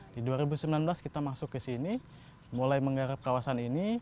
di dua ribu sembilan belas kita masuk ke sini mulai menggarap kawasan ini